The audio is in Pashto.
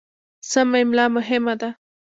سمه املا مهمه ده.